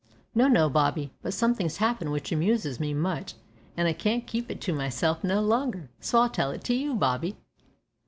"No, no, Bobby, but somethin's happened which amuses me much, an' I can't keep it to myself no longer, so I'll tell it to you, Bobby."